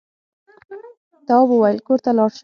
تواب وويل: کور ته لاړ شم.